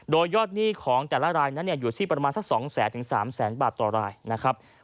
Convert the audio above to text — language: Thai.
โดยยอดหนี้ของแต่ละรายนั้นอยู่ที่ประมาณสัก๒แสนถึง๓แสนบาทต่อรายนะครับ